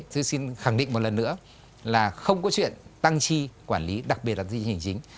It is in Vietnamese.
tôi xin khẳng định một lần nữa là không có chuyện tăng chi quản lý đặc biệt là tăng chi hình chính